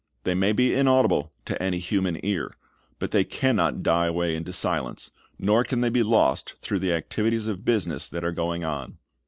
They may be inaudible to any human ear, but they can not die away into silence, nor can they be lost through the activities of business that are going on.